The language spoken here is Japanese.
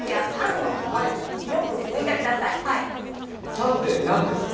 「さん」って何ですか？